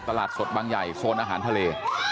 ตลาดสดบางใหญ่โซนอาหารทะเล